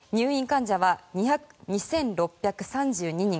入院患者は２６３２人。